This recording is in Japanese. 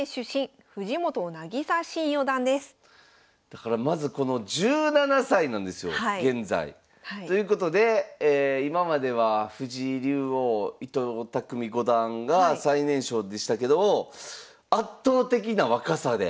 だからまずこの１７歳なんですよ現在。ということで今までは藤井竜王伊藤匠五段が最年少でしたけど圧倒的な若さで。